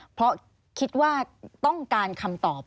เพราะคิดว่าต้องการคำตอบ